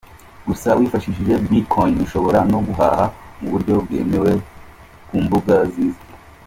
Gusa wifashishije Bit coin ushobora no guhaha mu buryo bwemewe ku mbuga zizwi.